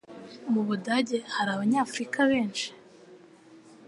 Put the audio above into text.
Mu Budage hari Abanyafurika benshi?